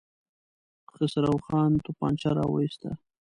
خسرو خان توپانچه را وايسته.